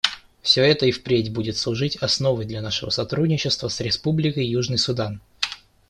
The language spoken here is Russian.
Все это и впредь будет служить основой для нашего сотрудничества с Республикой Южный Судан.